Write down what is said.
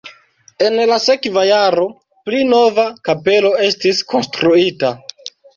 En la sekva jaro pli nova kapelo estis konstruita.